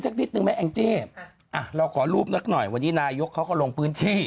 สักนิดนึงไหมแองจี้อ่ะเราขอรูปนักหน่อยวันนี้นายกเขาก็ลงพื้นที่